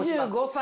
２５歳！